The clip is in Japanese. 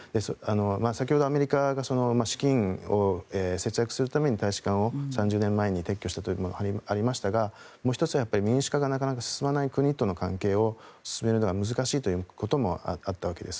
先ほど、アメリカが資金を節約するために大使館を３０年前に撤去したとありましたがもう１つ、民主化がなかなか進まない国との関係を進めるのが難しいということもあったわけです。